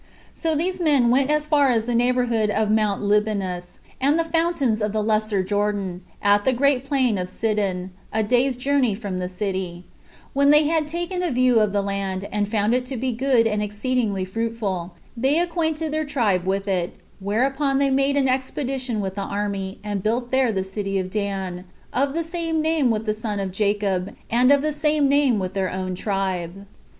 So these men went as far as the neighborhood of Mount Libanus, and the fountains of the Lesser Jordan, at the great plain of Sidon, a day's journey from the city; and when they had taken a view of the land, and found it to be good and exceeding fruitful, they acquainted their tribe with it, whereupon they made an expedition with the army, and built there the city Dan, of the same name with the son of Jacob, and of the same name with their own tribe.